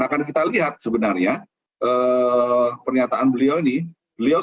akan kita lihat sebenarnya pernyataan beliau ini beliau